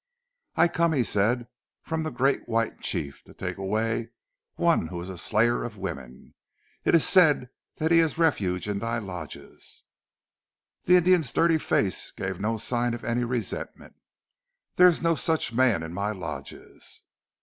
"I come," he said, "from the Great White Chief, to take away one who is a slayer of women. It is said that he has refuge in thy lodges." The Indian's dirty face gave no sign of any resentment. "There is no such man in my lodges."